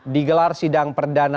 digelar sidang perdana